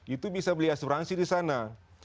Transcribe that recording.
itu bisa beli asuransi di sana